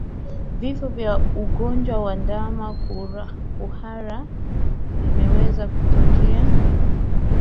Vifo kwa ugonjwa wa ndama kuhara vinaweza kutokea